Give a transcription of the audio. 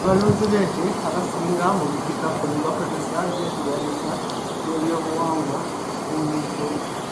Abalunzi b'ente abasinga mu bukiikakkono bakozesa eby'okulwanyisa ebyobuwangwa mu kukuuma ensolo.